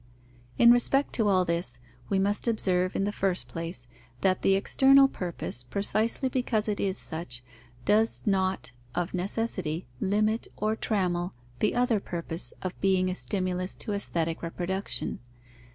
_ In respect to all this, we must observe, in the first place, that the external purpose, precisely because it is such, does not of necessity limit or trammel the other purpose of being a stimulus to aesthetic reproduction.